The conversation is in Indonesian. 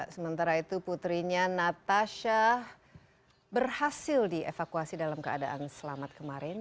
sementara itu putrinya natasha berhasil dievakuasi dalam keadaan selamat kemarin